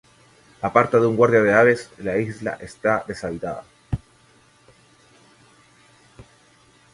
Aparte de un guardia de aves, la isla está deshabitada.